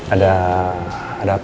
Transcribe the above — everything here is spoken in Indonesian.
ada ada kondisi apa